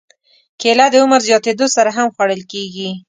کېله د عمر زیاتېدو سره هم خوړل کېږي.